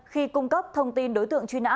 khi cung cấp thông tin đối tượng truy nã